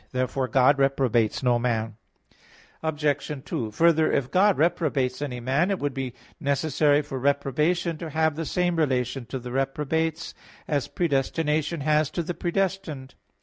Therefore God reprobates no man. Obj. 2: Further, if God reprobates any man, it would be necessary for reprobation to have the same relation to the reprobates as predestination has to the predestined.